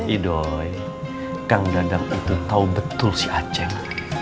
idoi kang dadang itu tau betul si aceh